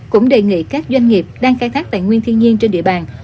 cũng đề nghị các doanh nghiệp đang khai thác tài nguyên thiên nhiên trên địa bàn